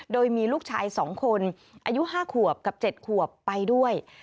โดยมีลูกชาย๒คนอายุ๕ขวบกับ๗ขวบไปด้วย